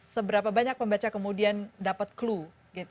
seberapa banyak pembaca kemudian dapat clue